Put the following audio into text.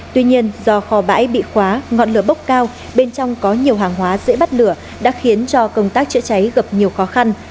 tuy nhiên do kho bãi bị khóa ngọn lửa bốc cao bên trong có nhiều hàng hóa dễ bắt lửa đã khiến cho công tác chữa cháy gặp nhiều khó khăn